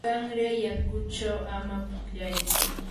qanra yakuchaw ama pukllaytsu.